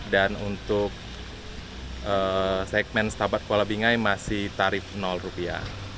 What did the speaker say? dan untuk segmen setabat kuala bingai masih tarif rupiah